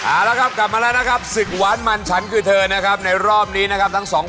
เอาละครับกลับมาแล้วนะครับศึกหวานมันฉันคือเธอนะครับในรอบนี้นะครับทั้งสองคน